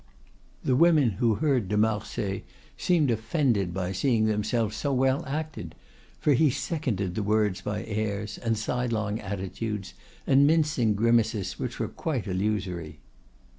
The women who heard de Marsay seemed offended by seeing themselves so well acted, for he seconded the words by airs, and sidelong attitudes, and mincing grimaces which were quite illusory.